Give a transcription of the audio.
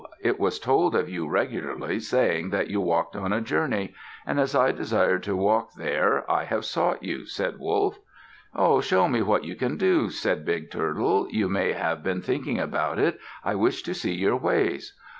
It was told of you regularly, saying that you walked on a journey; and as I desired to walk there, I have sought you," said Wolf. "Ho! Show me what you can do," said Big Turtle. "You may have been thinking about it. I wish to see your ways."